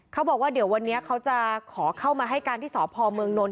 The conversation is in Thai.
เขาบอกว่าเดี๋ยววันนี้เขาจะขอเข้ามาให้การที่สพเมืองนนท